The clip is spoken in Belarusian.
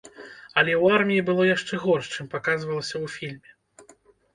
Але ў арміі было яшчэ горш, чым паказвалася ў фільме!